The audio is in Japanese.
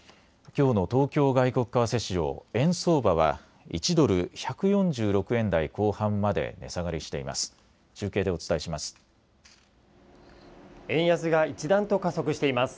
きょうの東京外国為替市場円相場は１ドル１４６円台後半まで値下がりしています。